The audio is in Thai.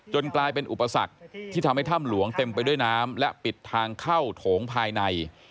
กลายเป็นอุปสรรคที่ทำให้ถ้ำหลวงเต็มไปด้วยน้ำและปิดทางเข้าโถงภายใน